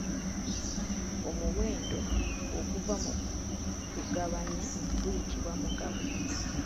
Omuwendo oguva mu kugabanya guyitibwa Mugabo.